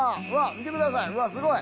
見てくださいうわすごい！